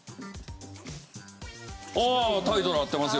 ああタイトル合ってますよ。